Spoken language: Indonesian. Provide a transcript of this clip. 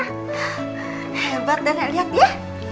hebat nenek liat ya